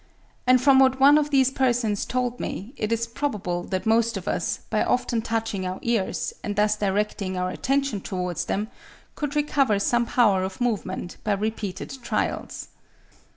and from what one of these persons told me, it is probable that most of us, by often touching our ears, and thus directing our attention towards them, could recover some power of movement by repeated trials.